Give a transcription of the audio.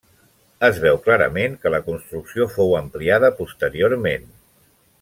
Es veu clarament que la construcció fou ampliada posteriorment.